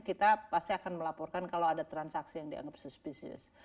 kita pasti akan melaporkan kalau ada transaksi yang dianggap suspisius